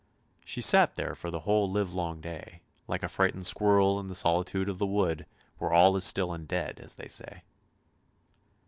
She sat there for the whole livelong day, like a frightened squirrel in the solitude of the wood where all is still and dead, as they say